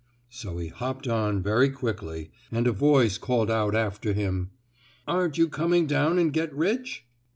So he hopped on very quickly, and a voice called out after him: "Aren't you coming down and get rich?"